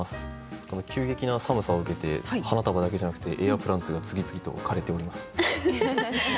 この急激な寒さを受けて花束だけじゃなくてエアプランツが次々と枯れております。